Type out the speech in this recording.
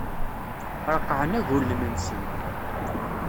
Reqqɛen agulen-nsen.